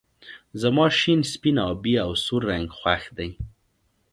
زما شين سپين آبی او سور رنګ خوښ دي